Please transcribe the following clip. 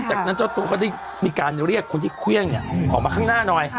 สิ้นจากนั้นเจ้าตุ๊กเขาที่มีการเรียกคนที่เครื่องเนี่ยออกมาข้างหน้าหน่อย